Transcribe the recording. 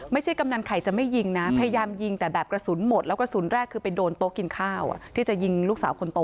กำนันไข่จะไม่ยิงนะพยายามยิงแต่แบบกระสุนหมดแล้วกระสุนแรกคือไปโดนโต๊ะกินข้าวที่จะยิงลูกสาวคนโต